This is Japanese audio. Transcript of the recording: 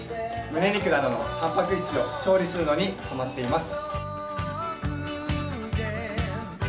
胸肉などのたんぱく質を調理するのにハマっています。